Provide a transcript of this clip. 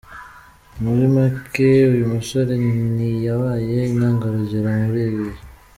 Muri make uyu musore ntiyabaye intangarugero muri ibi bihe.